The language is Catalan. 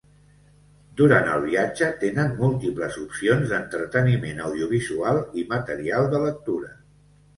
Durant el viatge tenen múltiples opcions d'entreteniment audiovisual i material de lectura.